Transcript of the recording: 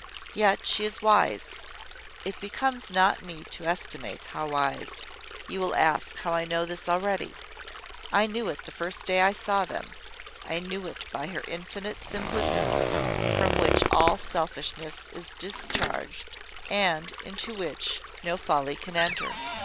Yet she is wise; it becomes not me to estimate how wise. You will ask how I know this already. I knew it the first day I saw them; I knew it by her infinite simplicity, from which all selfishness is discharged, and into which no folly can enter.